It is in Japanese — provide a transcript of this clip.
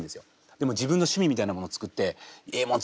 でも自分の趣味みたいなもの作ってええもん